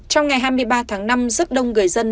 trong ngày hai mươi ba tháng năm rất đông người dân